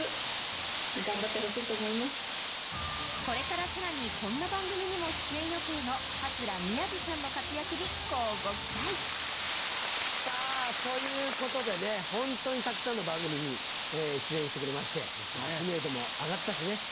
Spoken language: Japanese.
これからさらにこんな番組にも出演予定の桂宮治さんの活躍に乞うご期待ということでねホントにたくさんの番組に出演してくれまして知名度も上がったしね。